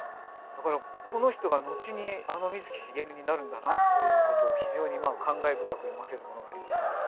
だからこの人が後にあの水木しげるになるんだなっていうことを非常にまあ感慨深く読ませるものがありますね。